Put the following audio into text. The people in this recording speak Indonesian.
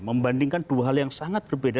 membandingkan dua hal yang sangat berbeda